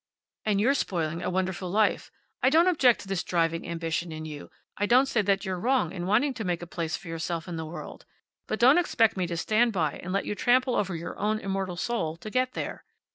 "And you're spoiling a wonderful life. I don't object to this driving ambition in you. I don't say that you're wrong in wanting to make a place for yourself in the world. But don't expect me to stand by and let you trample over your own immortal soul to get there.